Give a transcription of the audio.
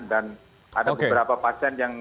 dan ada beberapa pasien yang